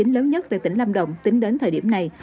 lớn nhất tại tỉnh lâm đồng tính đến thời điểm này